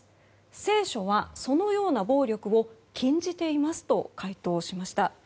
聖書はそのような暴力を禁じていますと回答しました。